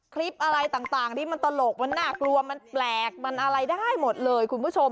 คลิปอะไรต่างที่มันตลกมันน่ากลัวมันแปลกมันอะไรได้หมดเลยคุณผู้ชม